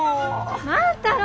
万太郎！